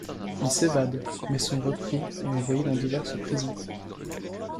Ils s'évadent, mais sont repris et envoyés dans diverses prisons.